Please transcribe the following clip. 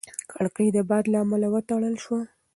کړکۍ د باد له امله وتړل شوه.